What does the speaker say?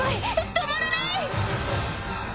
止まらない！